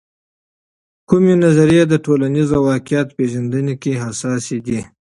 کومې نظریې د ټولنیز واقعیت پیژندنې کې حساسې دي؟